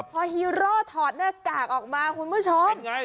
เพราะถอดหน้ากากออกมาคุณผู้ชม